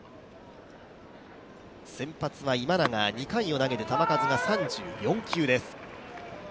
先発は今永、２回を投げて球数が３４球です。